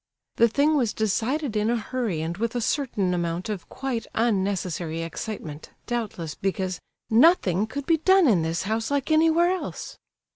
The thing was decided in a hurry and with a certain amount of quite unnecessary excitement, doubtless because "nothing could be done in this house like anywhere else."